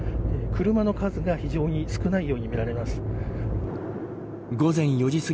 車の数が非常に少ないように見られます。